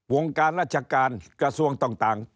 วงการราชการกระทรวงต่าง